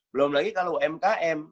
belum lagi kalau umkm